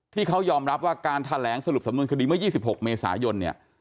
ที่เขายอมรับว่าการแถลงสรุปสำนวนคดีเมื่อ๒๖เมษายนเนี่ย